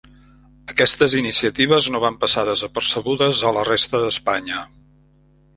Aquestes iniciatives no van passar desapercebudes a la resta d'Espanya.